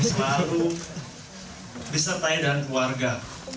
selalu disertai dengan keluarga